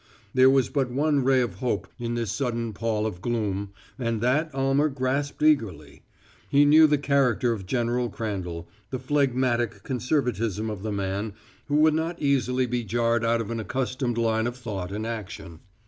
There was but one ray of hope in this sudden pall of gloom, and that Almer grasped eagerly. He knew the character of General Crandall the phlegmatic conservatism of the man, which would not easily be jarred out of an accustomed line of thought and action.